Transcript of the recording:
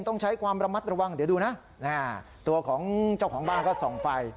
ต้องใช้ความระมัดระวังเดี๋ยวดูนะตัวของเจ้าของบ้านก็ส่องไฟ